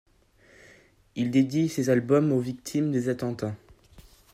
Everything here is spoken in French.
Il dédie ces albums aux victimes des attentats.